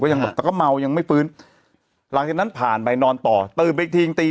ยังแบบแต่ก็เมายังไม่ฟื้นหลังจากนั้นผ่านไปนอนต่อตื่นไปอีกทีตี